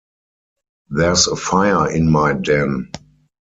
There's a fire in my den.